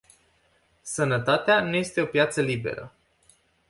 Sănătatea nu este o piață liberă.